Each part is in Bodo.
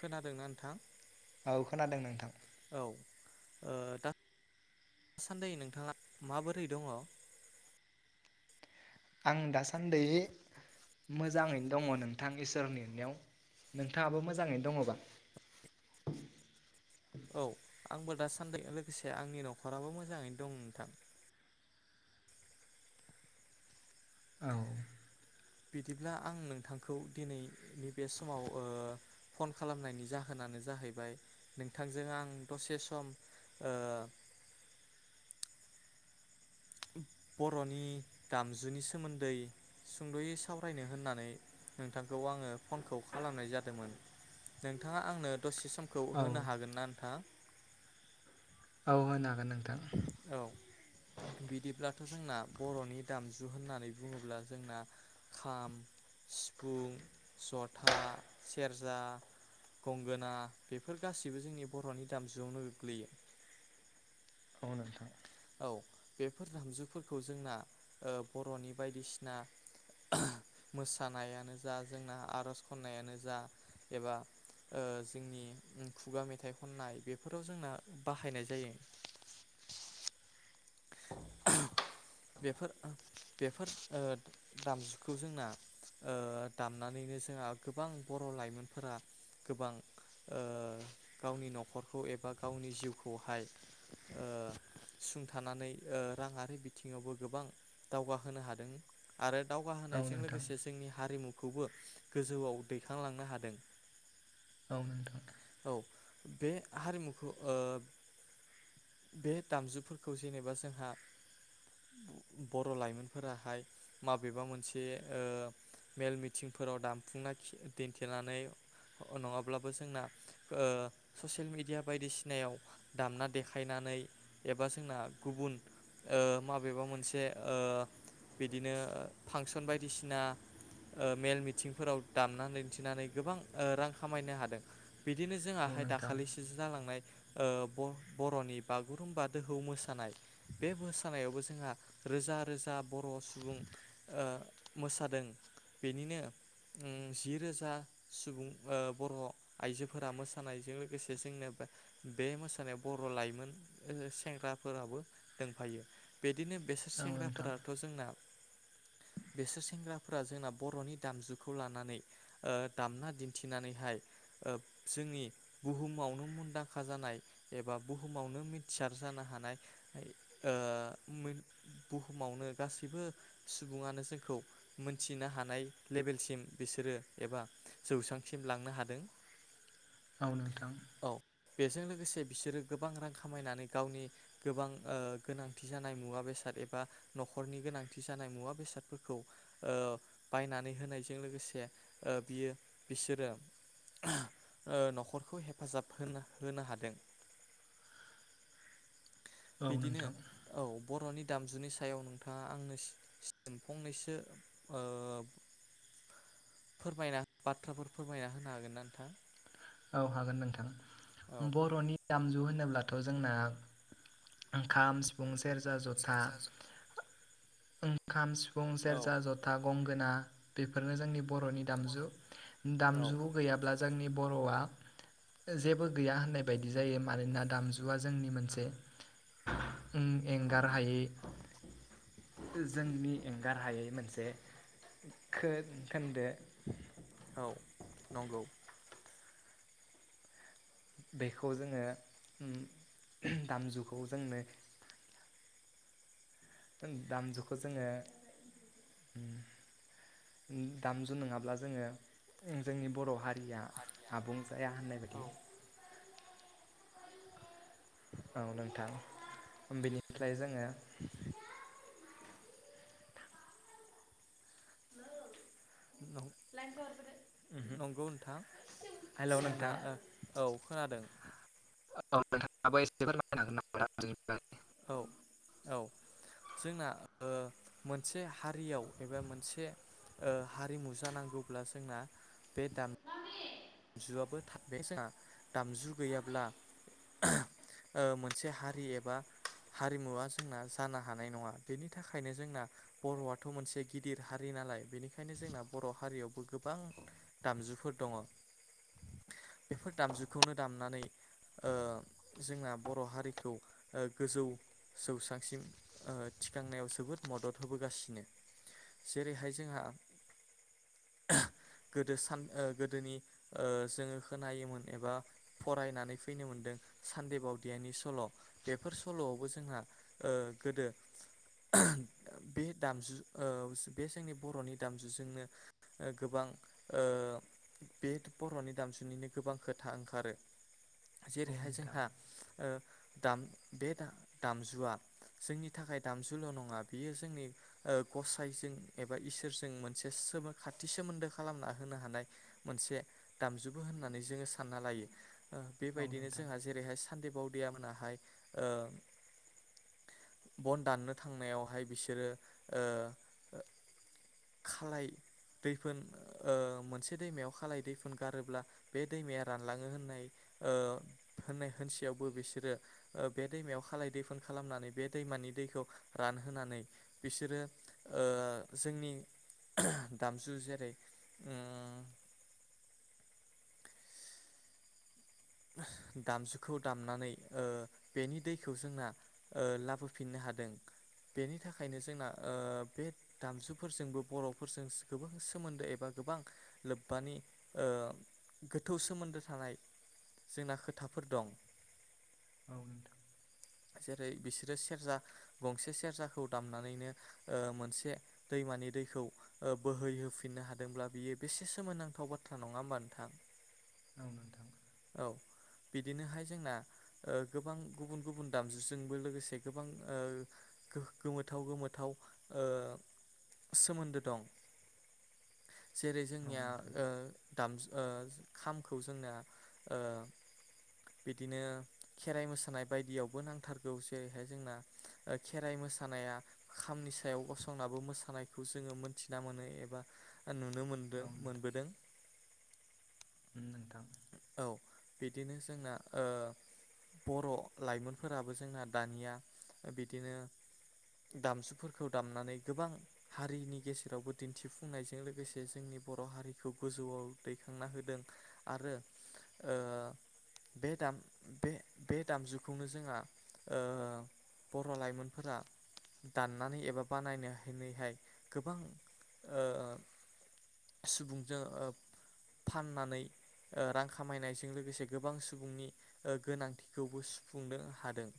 खोनादोंना नोंथां। औ खोनादों नोंथां। औ ओ दासान्दि नोंथाङा माबोरै दङ। आं दासान्दि मोजाङैनो दङ नोंथां इसोर अननायाव नोंथाङाबो मोजाङैनो दङबा? औ आंबो दासान्दि लोगोसे आंनि न'खराबो मोजाङैनो दं नोंथां। औ। बिदिब्ला आं नोंथांखौ दिनैनि बे समाव ओ फन खालामनायनि जाहोनानो जाहैबाय नोंथांजों आं दसे सम ओ बर'नि दामजुनि सोमोन्दै सुंद'यै सावरायनो होननानै नोंथांखौ आङो फनखौ खालामनाय जादोंमोन नोंथाङा आंनो दसे समखौ औ होनो हागोन ना नोंथां? औ होनो हागोन नोंथां। औ बिदिब्लाथ' जोंना बर'नि दामजु होननानै बुङोब्ला जोंना खाम सिफुं जथा सेरजा गंगोना बेफोर गाैसैबो जोंनि बर'नि दामजुवावनो गोग्लैयो। औ नोंथां। औ बेफोर दामजुफोरखौ जोंना बर'नि बायदिसिना मोसानायानो जा जोंना आर'ज खन्नायानो जा एबा जोंनि खुगा मेथाइ खननाय बेफोराव जोंना बाहायनाय जायो। बेफोर बेफोर ओ दामजुखौ जोंना दामनानैनो जोंहा गोबां बर' लाइमोनफोरा गोबां गावनि न'खरखौ एबा गावनि जिउखौहाय सुं थानानै ओ राङारि बिथिङावबो गोबां दावगा होनो हादों आरो औ दावगाहोनायजों नोंथां लोगोसे जोंनि हारिमु खौबो गोजौवाव दैखांलांनो हादों। औ नोंथां। औ बे हारिमुखौ ओ बे दामजुफोर खौ जेनेबा जोंहा बर' लाइमोनफोराहाय माबेबा मोनसे मेल मिथिंफोराव दामफुंना दिन्थिनानै नङाब्लाबो जोंना ससियेल मेडिया बायदिसिनायाव दामना देखायनानै एबा आ जोंना गुबुन ओ माबेबा मोनसे ओ बिदिनो फांसन बायदिसिना ओ मेल मिथिंफोराव दामनानै दिन्थिनानै गोबां रां खामायनो हादों। बिदिनो औ जोंहाहाय नोंथां दाखालिसो जालांनाय ओ बर'नि बागुरुम्बा दोहौ मोसानाय बे मोसानायावबो जोंहा रोजा रोजा बर' सुबुं मोसादों बेनिनो जि रोजा सुबुं बर' आइजोफोरा मोसानायजों लोगोसे जोंनो बे मोसानायाव बर' लाइमोन सेंग्राफोराबो दोंफायो बे दिनो बेसोर औ नोंथां सेंग्राफोराथ' जोंना बेसोर सेंग्राफोरा जोंना बर'नि दामजुखौ लानानै ओ दामना दिन्थिनानैहाय ओ जोंनि बुहुमावनो मुनदांखा जानाय एबा बुहुमावनो मिथि जानो हानाय ओ मोन बुहुमावनो गासैबो सुबुङानो जोंखौ मोनथिनो हानाय लेबेलसिम बिसोरो एबा जौसांसिम लांनो हादों। औ नोंथां। औ बेजों लोगोसे बिसोरो गोबां रां खामायनानै गावनि गोबां ओ गोनांथि जानाय मुवा बेसाद एबा न'खरनि गोनांथि जानाय मुवा बेसादफोरखौ ओ बायनानै होनायजों लोगोसे ओ बियो बिसोरो ओ न'खरखौ हेफाजाब होनो होनो हादों। औ बिदिनो नोंथां औ बर'नि दामजुनि सायाव नोंथाङा आंनो सि सिम फंनैसो ओ फोरमायना बाथ्राफोर फोरमायना होनो हागोन ना नोंथां? औ हागोन नोंथां। औ बर'नि दामजु होन होनोब्लाथ' जोंना खाम सिफुं सेर सेरजा जथा [inaudible] ओंखाम फुं औ सेरजा जथा गं गोना बेफोरनो जोंनि बर'नि दामजु दामजु गैयाब्ला जोंनि बर' बर'आ जेबो गैया होननाय बायदि जायो मानोना दामजुआ जोंनि मोनसे [inaudible] उम ऐंगार हायै [inaudible] जोंनि ऐंगार हायै मोनसे खोन खोन्दो। औ नंगौ। बेखौ जोङो उम [unintelligible] दामजुखौ जोंनो [unintelligible] दामजुखौ जोङो [inaudible] उम [inaudible] दामजु नङाब्ला जोङो उम जोंनि बर' हा रिया आबुं जाया होननाय बादि नं [inaudible] औ नोंथां बेनिफ्राय जोङो [inaudible] [inaudible] [inaudible] उमहो नंगौ नोंथां हेलौ जोंना नोंथां। ओ औ खोनादों [unintelligible] औ औ जोंना ओ मोनसे हारियाव एबा मोनसे ओ हारिमु जानांगौब्ला जोंना बे दाम जुआबो [inaudible] दामजु गैयाब्ला [unintelligible] ओ मोनसे हारि एबा हारिमुवा जोंना जानो हानाय नङा बेनि थाखायनो जोंना बर'आथ' मोनसे गिदिर हारि नालाय बेनिखायनो जोंना बर' हारियावबो गोबां दामजुफोर दङ। बेफोर दामजुखौनो दामनानै ओ जोंना बर' हारिखौ ओ गोजौ जौसांसिम ओ थिखांनायाव जोबोद मदद होबोगासिनो जेरैहाय जोंहा [unintelligible] गोदो सान ओ गोदोनि ओ जोङो खोनायोमोन एबा फरायनानै फैनो मोनदों सानदे बावदेयानि सल' बेफोर सल'आवबो जोंहा ओ गोदो [unintelligible] बे दामजु ओ बे जोंनि बर'नि दामजुजोंनो ओ गोबां ओ बे बर'नि दामजुनिनो गोबां खोथा ओंखारो। औ जेरैहाय नोंथां जोंहा ओ दाम बे दा दामजुआ जोंनि थाखाय दामजुल' नङा बियो जोंनि ओ गसाइजों एबा इसोरजों मोनसे सोमो खाथि सोमोन्दो खालामना होनो हानाय मोनसे दामजुबो होननानै जोङो सानना लायो। ओ औ बेबायदिनो नोंथां जोंहा जेरैहाय सानदेबाव [inaudible] मोनाहाय ओ [inaudible] बन दाननो थांनायावहाय बिसोरो ओ [inaudible] खालाय दैफोन ओ मोनसे दैमायाव खालाय दै फोन गारोब्ला बे दैमाया रानलाङो होननाय ओ होननाय होनसेयावबो बिसोरो ओ बे दैमायाव खालाय दैफोन खालामनानै बे दैमानि दैखौ रानहोनानै बिसोरो ओ जोंनि [unintelligible] दामजु जेरै उम [unintelligible] दामजुखौ दामनानै ओ बेनि दैखौ जोंना ओ लाबोफिननो हादों बेनि थाखायनो जोंना ओ बे दामजुफोरजोंबो बर'फोरजों गोबां सोमोन्दो एबा गोबां लोब्बानि ओ गोथौ सोमोन्दो थानाय। जोंना खोथाफोर दं औ नोंथां। जेरै बिसोरो सेरजा गंसे सेरजाखौ दामनानैनो ओ मोनसे दैमानि दैखौ ओ बोहैहोफिननो हादोंब्ला बियो बेसे सोमोनांथाव बाथ्रा नङा होमबा नोंथां? औ नोंथां। औ बिदिनोहाय जोंना ओ गोबां गुबुन गुबुन दामजुजोंबो लोगोसे गोबां ओ गो-गोमोथाव गोमोथाव ओ सोमोन्दो दं [inaudible] जेरै औ जोंनिया नोंथां ओ दामजु ओ खामखौ जोंना ओ बिदिनो खेराइ मोसानाय बायदियावबो नांथारगौ जेरैहाय जोंना ओ खेराइ मोसानाया खामनि सायाव गसंनाबो मोसानायखौ जोङो मोनथिना मोनो एबा नुनो मोनदों औ नोंथां मोनबोदों उम नोंथां औ बिदिनो जोंना ओ बर' लाइमोनफोराबो जोंना दानिया बिदिनो दामजुफोरखौ दामनानै गोबां हारिनि गेजेरावबो दिन्थिफुंनायजों लोगोसे जोंनि बर' हारिखौ गोजौआव दैखांना होदों आरो ओ बे दाम बे बे दामजुखौनो जोंहा ओ बर' लाइमोनफोरा दाननानै एबा बानायनानैहाय गोबां ओ सुबुंजों ओ फाननानै ओ रां खामायनायजों लोगोसे गोबां सुबुंनि ओ गोनांथिखौबो सुफुंनो हादों।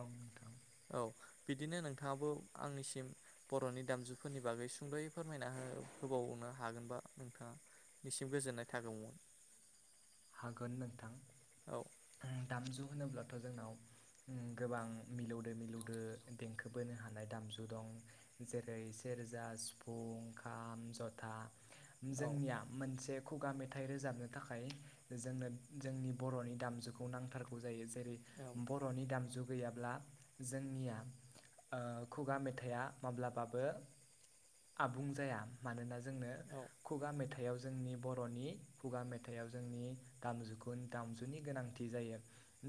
औ नोंथां। औ बिदिनो नोंथाङाबो आंनिसिम बर'नि दामजुफोरनि बागै सुंदयै फोरमायना हो होबावनो हागोनबा नोंथांनिसिम गोजोननाय थागौमोन। हागोन नोंथां औ दामजु होनोब्लाथ' जोंनाव होम गोबां मिलौदो मिलौदो देंखो बोनो हानाय दामजु दं जेरै सेरजा सिफुं खाम जथा। औ जोंनिया मोनसे खुगा मेथाइ रोजाबनो थाखाय जोंनो जोंनि बर'नि दामजुखौ नांथारगौ जायो। जेरै औ बर'नि दामजु गैयाब्ला जोंनिया ओ खुगा मेथाइआ माब्लाबाबो आबुं जाया मानोना जों जोंनो औ खुगा मेथाइयाव जो जोंनि बर'नि खुगा मेथाइयाव जोंनि दामजुखौ दामजुनि गोनांथि जायो।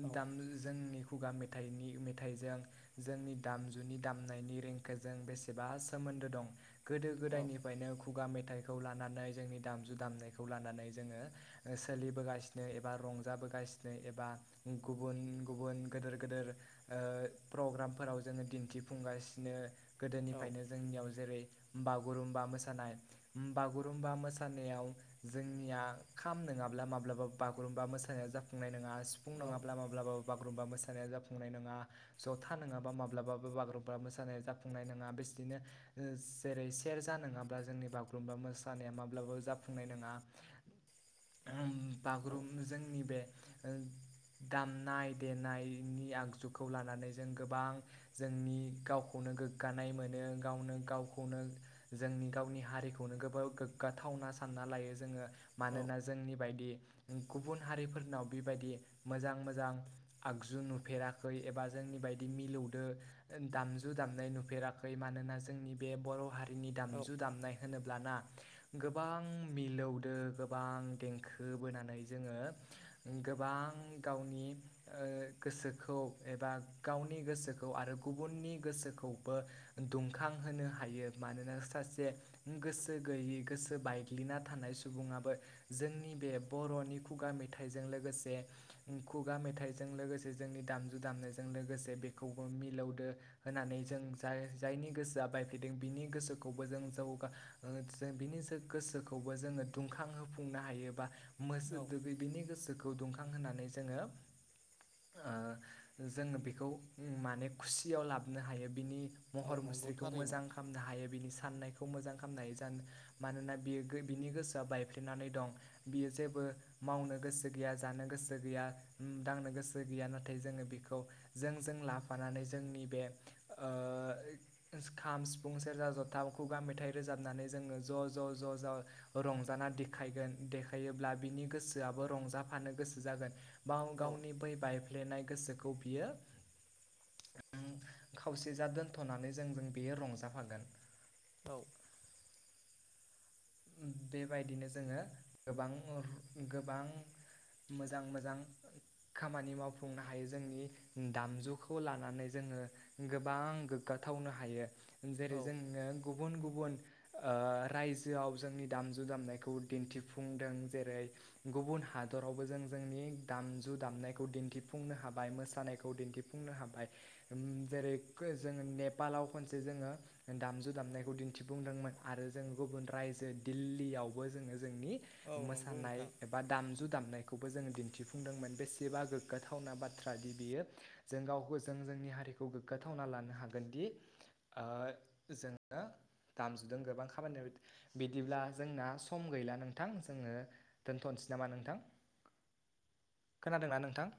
औ दामजु जोंनि खुगा मेथाइनि मेथाइजों जोंनि दामजुनि दामनायनि देंखोजों बेसेबा सोमोन्दो दं। गोदो औ गोदायनिफ्रायनो खुगा मेथाइ खौ लानानै जोंनि दामजु दामनायखौ लानानै जोंङो सोलिबोगासिनो एबा रंजाबोगासिनो एबा गुबुन गुबुन गोदोर गोदोर ओ प्रग्रामफोराव जोंङो दिन्थिफुंगासिनो। औ गोदोनिफ्रायनो जोंनियाव जेरै बागुरुम्बा मोसानाय बागुरुम्बा मोसानायाव जोंनिया खाम नोंङाबा माब्लाबा माब्लााबा बागुरुम्बा मोसानाया जाफुंनाय नोंङा आरो। सिफुं औ नङाब्ला माब्लाबाबो बागुरुम्बा मोसानाय जाफुंनाय नङा ज'था नोंङाब्ला माब्लाबाबो बागुरुम्बा मोसानाया जाफुंनाय नोङा बिदिनो जेरै सेरजा नोंङाब्ला जोंनि बागुरुम्बा मोसानाया माब्लाबाबो जाफुंनाय नोंङा। ओं बागुरुम औ जोंनि बे दामनाय देनायनि आगजुखौ लानानै जों गोबां जोंनि गावखौनो गोग्गानाय मोनो गावनो गावखौनो जोंनि गावनि हारिखौनो गोब गोग्गाथावना सानना लायो जोंङो। औ मानोना जोंनि बायदि गुबुन हारिफोरनाव बेबायदि मोजां मोजां आगजु नुफेराखै एबा जोंनि बायदि मिलौदो दामजु दामनाय नुफेराखै मानोना जोंनि बे बर' हारि नि औ दामजु दामनाय होनोब्लाना गोबां मिलौदो गोबां देंखो बोनानै जोंङो गोबां गावनि ओ गोसोखौ एबा गावनि गोसोखौ आरो गुबुननि गोसोखौबो दुंखांहोनो हायो मानोना सासे गोसो गैयि गोसो बायग्लिना थानाय सुबुङाबो जोंनि बे बर'नि खुगा मेथाइजों लोगोसे खुगा मेथाइजों लोगोसे जोंनि दामजु दामनायजों लोगोसे बेखौबो मिलौदो होनानै जों जाय जायनि गोसोआ बायफलेदों बिनि गोसोखौबो जों जौगा जों बिनि गोसोखौबो जोंङो दुंखांहोफै नो हायो बा औ [unintelligible] बेनि गोसोखौ गौदुंखां होनानै जोंङो ओ जोंङो बेखौ माने खुसियाव लाबोनो हायो। बिनि औ महर नंगौ मुस्रिखौ थारैनो मोजां खालामनो हायो बिनि सा साननायखौ मोजां खालामनाय जानो मानोना बियो बिनि गोसोआ बायफ्ले नानै दं। बियो जेबो मावनो गोसो गैया जानो गोसो गैया दांनो गोसो गैया नाथाय जोंङो बेखौ जों जों लाफानानै जोंनि बे ओ खाम, सिफुं, सेरजा, जथा, खुगा मेथाइ रोजाबनानै जोंङो ज' ज' ज' ज' रंजाना दे खायगोन देखायोब्ला बिनि गोसोआबो रंजाफानो गोसो जागोन। बां औ गावनि बै बाइ फ्लेनाय गोसोखौ बियो ओं खावसे जा दोनथ'नानै जों जों बेयो रंजाफागोन। औ ओम बेबायदिनो जोङो गोबां गोबां मोजां मोजां खामानि मावफुंनो हायो जोंनि दामजुखौ लानानै जोङो गोबां गोग्गाथावनो हायो। जेरै औ जोङो गुबुन गु बुन राइ जोआव जोंनि दामजु दामनायखौ दिन्थिफुंदों। जेरै गुबुन हादरावबो जों जोंनि दामजु दामनायखौ दिन्थिफुंनो हाबाय मोसानायखौ दिन्थिफुंनो हाबाय। ओम जेरै जोङो नेपालाव खनसे जोङो दामजु दामनायखौ दिन्थिफुंदोंमोन आरो जों गुबुन रायजो दिल्लीयावबो जोङो जोंनि नंगौ मोसानाय नोंथां एबा दामजु दामनाय खौबो जोङो दिन्थिफुंदोंमोन। बेसेबा गोग्गाथावना बाथ्रा दि बियो जों गावखौ जों जोंनि हारिखौ गोग्गाथावना लानो हागोनदि जोङो दामजुदों गोबां खामानियाव बिदिब्ला जोंना सम गैला नोंथां जोङो दोनथ'नोसै नामा नोंथां। खोनादोंना नोंथां?